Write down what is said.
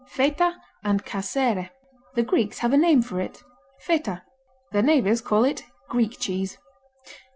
Feta and Casere The Greeks have a name for it Feta. Their neighbors call it Greek cheese.